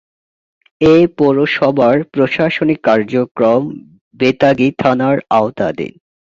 এ পৌরসভার প্রশাসনিক কার্যক্রম বেতাগী থানার আওতাধীন।